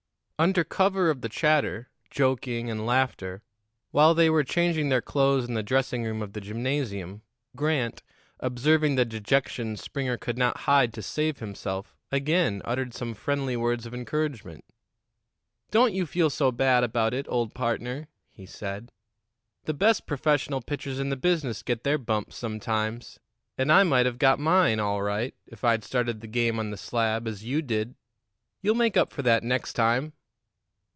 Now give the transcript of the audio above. Under cover of the chatter, joking and laughter, while they were changing their clothes in the dressing room of the gymnasium, Grant, observing the dejection Springer could not hide to save himself, again uttered some friendly words of encouragement. "Don't you feel so bad about it, old partner," he said. "The best professional pitchers in the business get their bumps sometimes, and I might have got mine, all right, if I'd started the game on the slab, as you did. You'll make up for that next time."